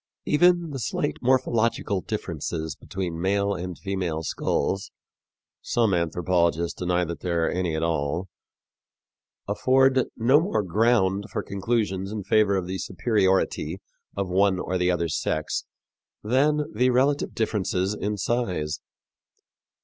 Even the slight morphological differences between male and female skulls some anthropologists deny that there are any at all afford no more ground for conclusions in favor of the superiority of one or the other sex than the relative differences in size.